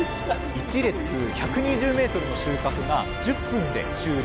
１列１２０メートルの収穫が１０分で終了！